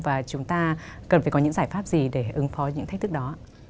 và chúng ta cần phải có những giải pháp gì để ứng phó những thách thức đó